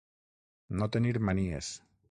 No tenir manies.